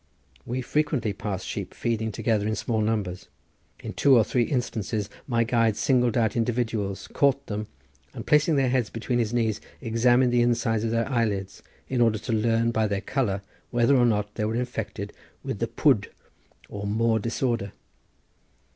We frequently passed sheep feeding together in small numbers. In two or three instances my guide singled out individuals, caught them, and placing their heads between his knees examined the inside of their eyelids, in order to learn by their colour whether or not they were infected with the pwd or moor disorder.